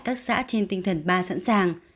các xã trên tinh thần ba sẵn sàng